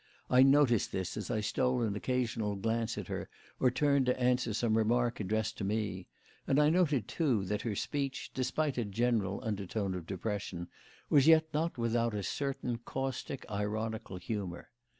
I noted this as I stole an occasional glance at her or turned to answer some remark addressed to me; and I noted, too, that her speech, despite a general undertone of depression, was yet not without a certain caustic, ironical humour.